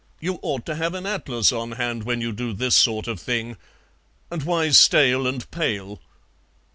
"You ought to have an atlas on hand when you do this sort of thing; and why stale and pale?"